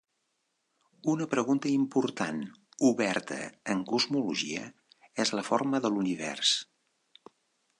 Una pregunta important oberta en cosmologia és la forma de l'univers.